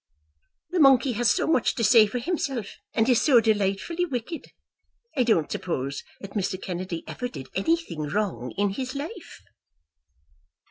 The monkey has so much to say for himself, and is so delightfully wicked! I don't suppose that Mr. Kennedy ever did anything wrong in his life."